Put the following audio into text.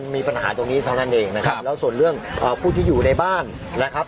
มีปัญหาตรงนี้เท่านั้นเองนะครับแล้วส่วนเรื่องผู้ที่อยู่ในบ้านนะครับ